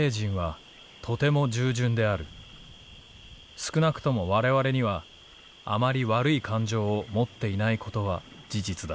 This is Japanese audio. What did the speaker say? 「少なくとも我々にはあまり悪い感情を持っていないことは事実だ」。